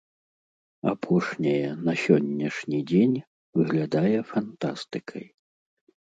Апошняе на сённяшні дзень выглядае фантастыкай.